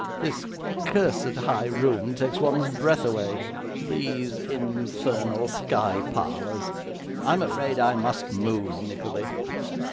'This cursed high room takes one's breath away. These infernal sky parlours I'm afraid I must move, Nickleby.